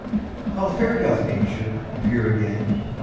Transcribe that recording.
How fair doth Nature Appear again!